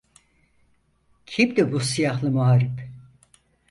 Kimdi bu siyahlı muharip?